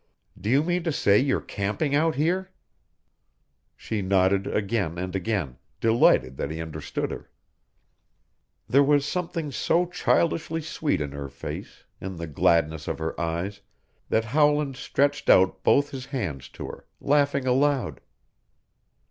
"Do you mean to say you're camping out here?" She nodded again and again, delighted that he understood her. There was something so childishly sweet in her face, in the gladness of her eyes, that Howland stretched out both his hands to her, laughing aloud.